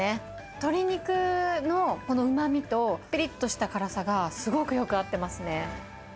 鶏肉のこのうまみと、ぴりっとした辛さがすごくよく合ってますね。